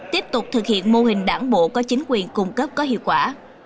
tiếp tục thực hiện mô hình đảng bộ có chính quyền cung cấp có hiệu quả